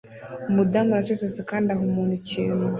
Umudamu aracecetse kandi aha umuntu ikintu